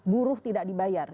buruh tidak dibayar